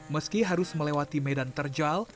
meski harus melewati medan terjal